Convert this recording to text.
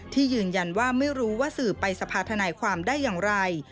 ยืนยันว่าไม่รู้ว่าสื่อไปสภาธนายความได้อย่างไร